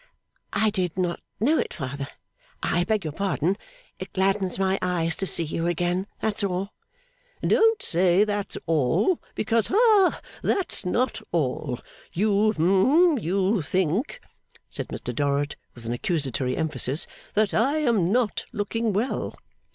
'I did not know it, father; I beg your pardon. It gladdens my eyes to see you again; that's all.' 'Don't say that's all, because ha that's not all. You hum you think,' said Mr Dorrit, with an accusatory emphasis, 'that I am not looking well.